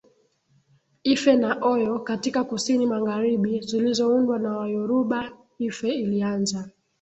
Ife na Oyo katika kusini magharibi zilizoundwa na Wayoruba Ife ilianza